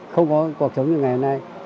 không có cuộc chống như ngày hôm nay